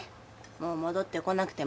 もう戻ってこなくても。